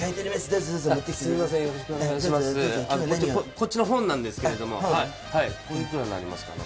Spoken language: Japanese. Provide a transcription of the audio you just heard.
こっちの本なんですけれどもこれいくらになりますかね？